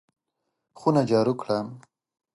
خونه جارو کړه!